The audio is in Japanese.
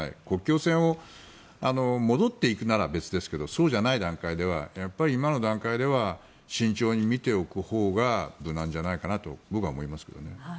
国境線を戻っていくなら別ですけどそうじゃない段階ではやっぱり今の段階では慎重に見ておくほうが無難じゃないかなと僕は思いますけどね。